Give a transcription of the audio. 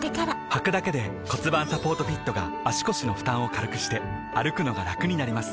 はくだけで骨盤サポートフィットが腰の負担を軽くして歩くのがラクになります